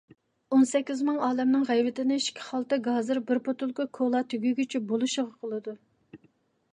ئون سەككىز مىڭ ئالەمنىڭ غەيۋىتىنى ئىككى خالتا گازىر، بىر بوتۇلكا كولا تۈگىگىچە بولىشىغا قىلىدۇ.